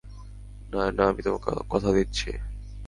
নায়না, আমি তোমাকে কথা দিচ্ছি।